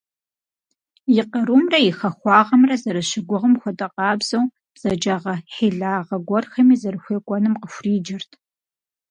И къарумрэ и хахуагъэмрэ зэрыщыгугъым хуэдэ къабзэу, бзаджагъэ–хьилагъэ гуэрхэми зэрыхуекӀуэным къыхуриджэрт.